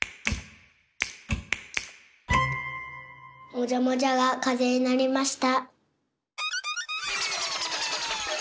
もじゃもじゃがかぜになりました。